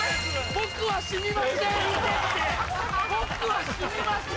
僕は死にましぇん。